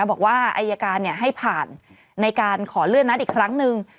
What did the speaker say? บอกว่าอายการให้ผ่านในการขอเลื่อนนัดอีกครั้งหนึ่ง